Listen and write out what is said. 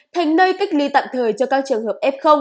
thành nơi cách ly tạm thời cho các trường hợp f